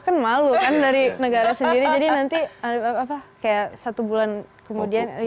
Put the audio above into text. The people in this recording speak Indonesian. kan malu kan dari negara sendiri jadi nanti apa kayak satu bulan kemudian